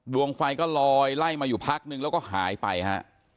ดวงไฟก็ลอยไล่มาอยู่พักนึงแล้วก็หายไปฮะ